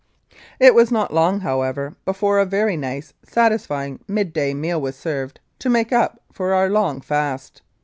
It was not long, however, before a very nice, satisfying mid day meal was served to make up for our long fast.